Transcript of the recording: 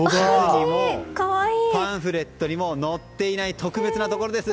パンフレットにも載っていない特別なところです。